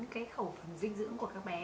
cái khẩu phần dinh dưỡng của các bé